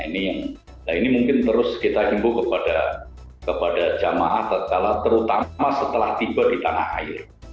nah ini mungkin terus kita imbu kepada jamaah terutama setelah tiba di tanah air